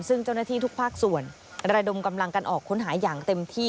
ซึ่งเจ้าหน้าที่ทุกภาคส่วนระดมกำลังกันออกค้นหาอย่างเต็มที่